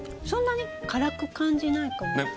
そんなに辛く感じないかも。